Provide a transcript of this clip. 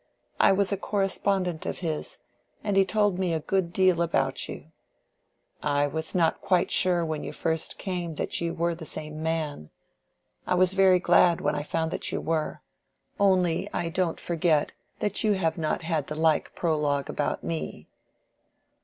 I was a correspondent of his, and he told me a good deal about you. I was not quite sure when you first came that you were the same man. I was very glad when I found that you were. Only I don't forget that you have not had the like prologue about me."